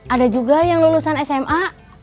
ada juga yang lulusan sma